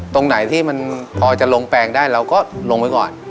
ตรงไหนที่มันพอจะลงแปลงได้เราก็ลงไปก่อน